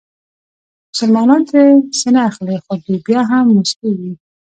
مسلمانان ترې څه نه اخلي خو دوی بیا هم موسکېږي.